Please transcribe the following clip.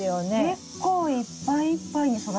結構いっぱいいっぱいに育ちますね。